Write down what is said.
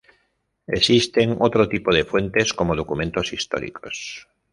Existen otro tipo de fuentes como documentos históricos.